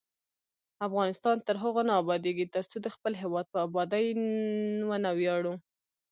افغانستان تر هغو نه ابادیږي، ترڅو د خپل هیواد په ابادۍ ونه ویاړو.